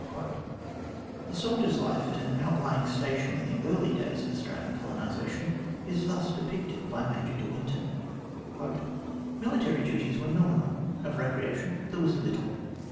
The soldier's life at an outlying station in the early days of Australian colonisation is thus depicted by Major de Winton : "Military duties were nominal, of recreation there was little.